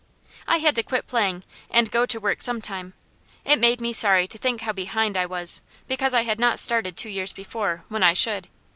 I had to quit playing, and go to work some time; it made me sorry to think how behind I was, because I had not started two years before, when I should.